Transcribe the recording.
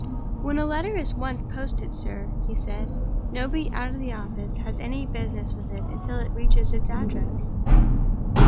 "When a letter is once posted, sir," he said, "nobody out of the office has any business with it until it reaches its address."